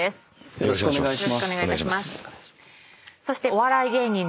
よろしくお願いします。